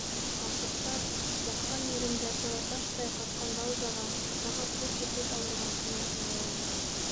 - Ҡарсыҡтар баҫҡан ерендә тораташтай ҡатҡан Раузаға тағы күҙ һирпеп алырға онотманылар.